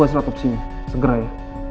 otopsi ini segera ya